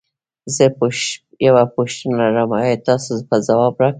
زه یوه پوښتنه لرم ایا تاسو به ځواب راکړی؟